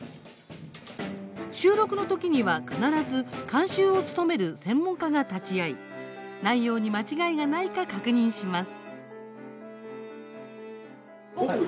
収録のときには必ず監修を務める専門家が立ち会い内容に間違いがないか確認します。